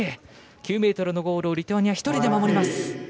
９ｍのゴールをリトアニア、１人で守ります。